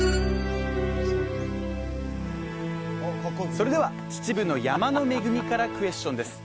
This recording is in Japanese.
それでは秩父の山の恵みからクエスチョンです